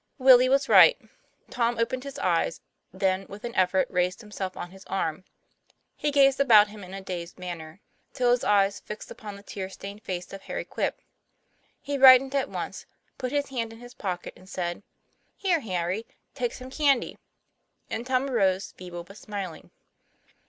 Willie was right. Tom opened his eyes; then with an effort raised himself on his arm. He gazed about him in a dazed manner, till his eyes fixed upon the tear stained face of Harry Quip. He brightened at once, put his hand in his pocket, and said: ' Here, Harry, take some candy. " And Tom arose, feeble but smiling.